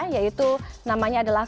yaitu namanya adalah